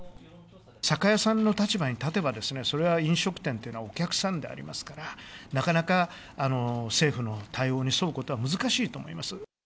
酒屋さんの立場に立てば、それは飲食店というのはお客さんでありますから、なかなか政府の対応に沿うことは難しいと思います。